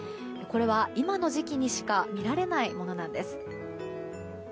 これは、今の時期にしか見られないものなんです。